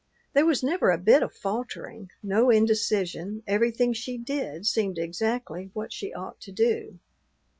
There was never a bit of faltering, no indecision; everything she did seemed exactly what she ought to do.